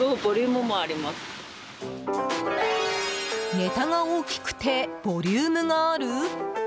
ネタが大きくてボリュームがある？